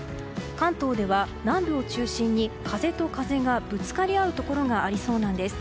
関東では南部を中心に風と風がぶつかり合うところがありそうなんです。